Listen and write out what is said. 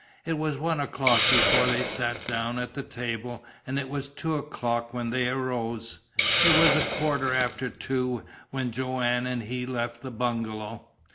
It was one o'clock before they sat down at the table and it was two o'clock when they arose. It was a quarter after two when Joanne and he left the bungalow.